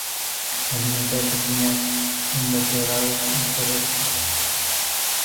Se alimenta de pequeños invertebrados y terrestres.